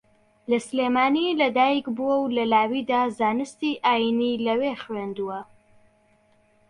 لە سلێمانی لەدایکبووە و لە لاویدا زانستی ئایینی لەوێ خوێندووە